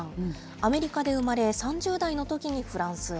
アメリカで生まれ、３０代のときにフランスへ。